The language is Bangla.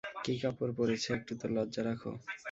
কি কাপড় পরেছে একটু তো লজ্জা রাখো?